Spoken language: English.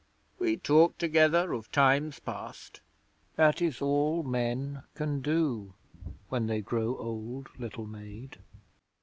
'We talked together of times past. That is all men can do when they grow old, little maid.'